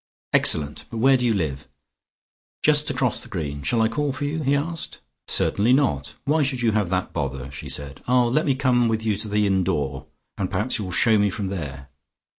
"Excellent; but where do you live?" "Just across the green. Shall I call for you?" he asked. "Certainly not. Why should you have that bother?" she said. "Ah, let me come with you to the inn door, and perhaps you will shew me from there."